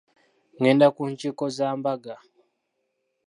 Ngenda ku nkiiko za mbaga.